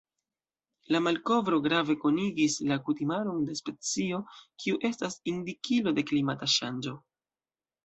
La malkovro grave konigis la kutimaron de specio kiu estas indikilo de klimata ŝanĝo.